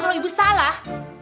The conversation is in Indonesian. kalau ibu salah